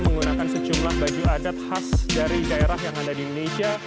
menggunakan sejumlah baju adat khas dari daerah yang ada di indonesia